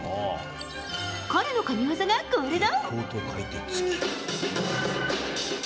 彼の神技が、これだ！